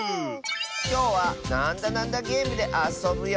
きょうは「なんだなんだゲーム」であそぶよ。